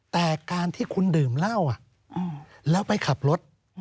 แต่การที่คุณดื่มเหล้าแล้วไปขับรถ